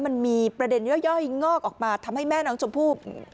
มันมีประเด็นย่อยงอกออกมาทำให้แม่น้องชมพู่